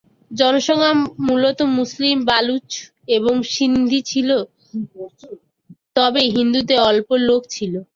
জনসংখ্যা মূলত মুসলিম বালুচ এবং সিন্ধি ছিল তবে হিন্দুদের অল্প লোক ছিল।